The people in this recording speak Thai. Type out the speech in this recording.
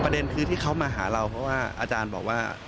เด็นคือที่เขามาหาเราเพราะว่าอาจารย์บอกว่า